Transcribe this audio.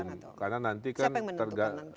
siapa yang menentukan nanti